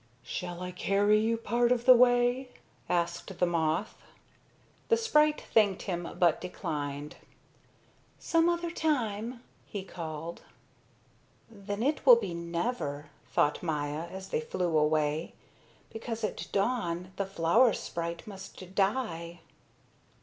"Shall I carry you part of the way?" asked the moth. The sprite thanked him but declined. "Some other time!" he called. "Then it will be never," thought Maya as they flew away, "because at dawn the flower sprite must die."